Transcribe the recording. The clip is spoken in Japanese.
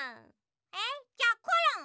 えっじゃあコロン？